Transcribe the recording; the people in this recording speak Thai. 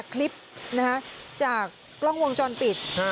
คลิปจากกล้องวงจรปิด